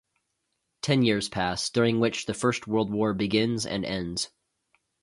Ten years pass, during which the First World War begins and ends.